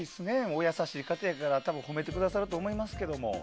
お優しい方やから、多分褒めてくださると思いますけど。